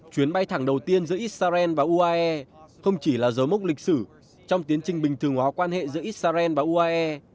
chuyến bay thẳng đầu tiên giữa israel và uae không chỉ là dấu mốc lịch sử trong tiến trình bình thường hóa quan hệ giữa israel và uae